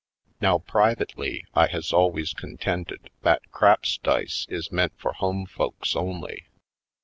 Now, privately I has always contended that craps dice is meant for home folks only.